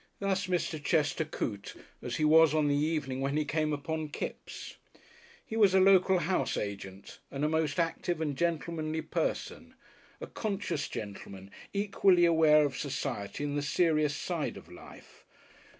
Thus Mr. Chester Coote, as he was on the evening when he came upon Kipps. He was a local house agent and a most active and gentlemanly person, a conscious gentleman, equally aware of society and the serious side of life.